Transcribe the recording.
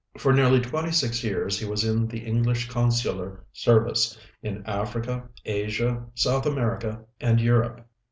For nearly twenty six years he was in the English consular service in Africa, Asia, South America, and Europe.